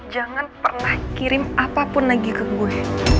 jangan pernah kirim apapun lagi ke gue